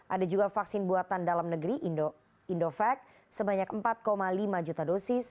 ada juga vaksin buatan dalam negeri indovac sebanyak empat lima juta dosis